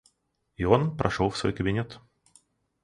И он прошел в свой кабинет.